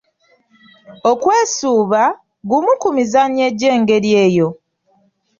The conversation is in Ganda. "Okwesuuba, gumu ku mizannyo egy’engeri eyo."